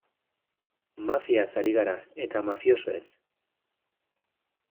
Mafiaz ari gara, eta mafiosoez.